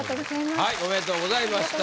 はいおめでとうございました。